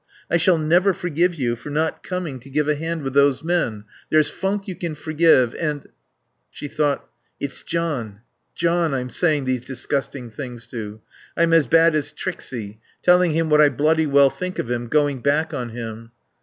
I shall never forgive you for not coming to give a hand with those men. There's funk you can forgive and " She thought: "It's John John I'm saying these disgusting things to. I'm as bad as Trixie, telling him what I bloody well think of him, going back on him."